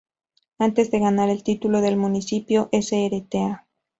Antes de ganar el título del municipio Srta.